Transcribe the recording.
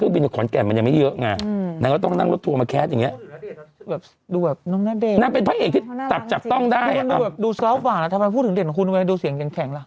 นี่นายมานะผมพูดดีนะ